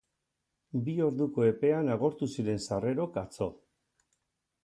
Bi orduko epean agortu ziren sarrerok, atzo.